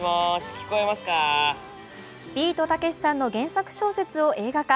ビートたけしさんの原作小説を映画化。